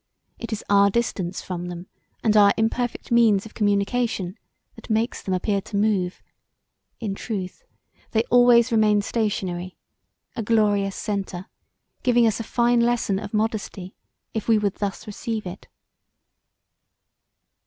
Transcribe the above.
It is our distance from them and our imperfect means of communication that makes them appear to move; in truth they always remain stationary, a glorious centre, giving us a fine lesson of modesty if we would thus receive it."